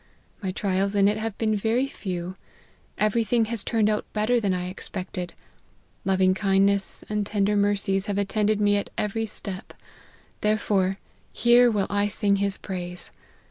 My trials in it have been very few : every thing has turned out better than I expected ; loving kindness and tender mercies, have attended me at every step : therefore, here will I sing his praise.